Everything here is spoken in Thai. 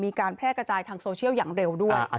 มีการแพร่กระจายทางโซเชียลอย่างเร็วด้วย